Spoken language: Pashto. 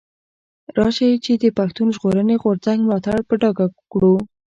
راشئ چي د پښتون ژغورني غورځنګ ملاتړ په ډاګه وکړو.